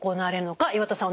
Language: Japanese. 岩田さん